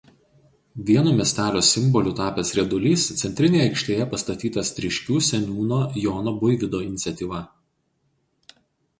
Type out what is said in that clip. Vienu miestelio simbolių tapęs riedulys centrinėje aikštėje pastatytas Tryškių seniūno Jono Buivydo iniciatyva.